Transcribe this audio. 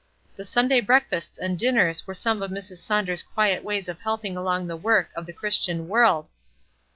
The Sunday breakfasts and dinners were some of Mrs. Saunders' quiet ways of helping along the work of the Christian world.